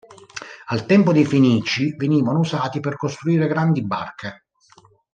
Al tempo dei fenici venivano usati per costruire grandi barche.